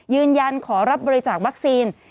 ยืนยันขอรับบริจาควัคซีน